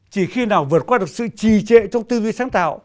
chỉ khi nào vượt qua được sự trì trệ trong tư duy sáng tạo